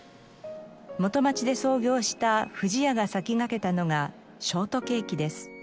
元町で創業した不二家が先駆けたのがショートケーキです。